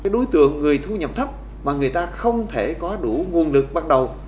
đối tượng người thu nhập thấp mà người ta không thể có đủ nguồn lực bắt đầu